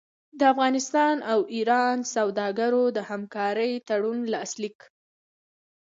د افغانستان او ایران سوداګرو د همکارۍ تړون لاسلیک